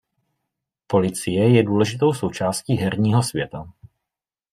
Policie je důležitou součástí herního světa.